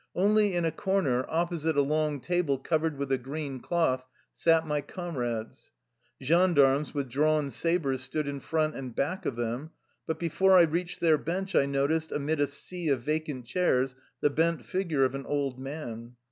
Only in a corner, opposite a long table covered with a green cloth, sat my comrades. Gen darmes, with drawn sabers, stood in front and back of them, but before I reached their bench I noticed, amid a sea of vacant chairs, the bent figure of an old man.